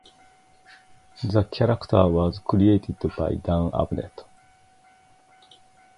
The character was created by Dan Abnett.